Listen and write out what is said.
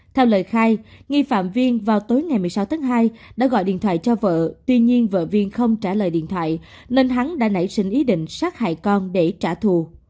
theo lời khai nghi phạm viên vào tối ngày một mươi sáu tháng hai đã gọi điện thoại cho vợ tuy nhiên vợ viên không trả lời điện thoại nên hắn đã nảy sinh ý định sát hại con để trả thù